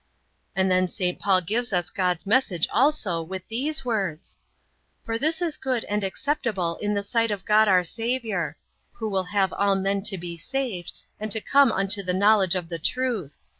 And then St. Paul gives us God's message also with these words: "For this is good and acceptable in the sight of God our Saviour; who will have all men to be saved, and to come unto the knowledge of the truth.